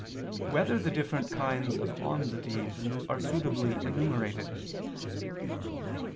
2] Whether the Different Kinds of Almsdeeds Are Suitably Enumerated?